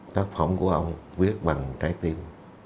tác phẩm của ông viết bằng trái tim